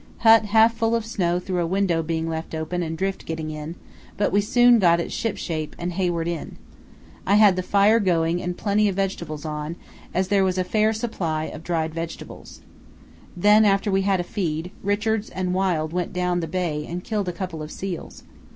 Hut half full of snow through a window being left open and drift getting in; but we soon got it shipshape and Hayward in. I had the fire going and plenty of vegetables on, as there was a fair supply of dried vegetables. Then after we had had a feed, Richards and Wild went down the bay and killed a couple of seals.